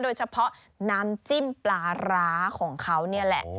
โดยเฉพาะน้ำจิ้มปลาร้าของเขานี่แหละ